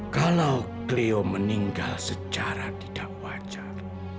kalau beliau meninggal secara tidak wajar